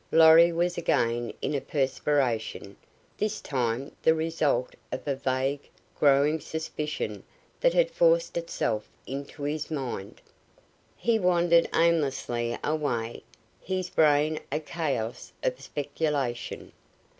Lorry was again in a perspiration, this time the result of a vague, growing suspicion that had forced itself into his mind. He wandered aimlessly away, his brain a chaos of speculation.